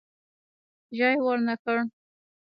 ژای ورنه کړي.